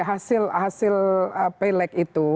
hasil hasil pelek itu